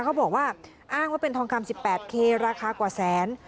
เขาบอกว่าอ้างว่าเป็นทองคำ๑๘เคราคากว่าแสน